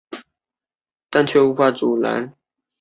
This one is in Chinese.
古隆族是分布在尼泊尔中部的山地民族。